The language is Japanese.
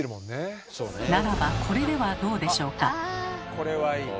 ならばこれではどうでしょうか？